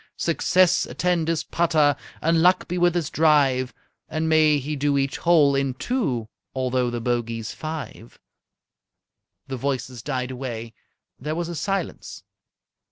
Success attend his putter! And luck be with his drive! And may he do each hole in two, Although the bogey's five!"_ The voices died away. There was a silence.